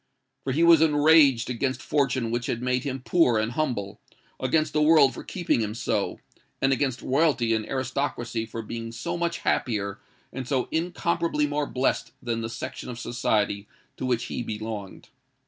For he was enraged against fortune who had made him poor and humble—against the world for keeping him so—and against royalty and aristocracy for being so much happier and so incomparably more blessed than the section of society to which he belonged.